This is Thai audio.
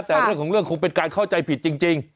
แต่เรื่องของเรื่องคงเป็นการเข้าใจผิดจริง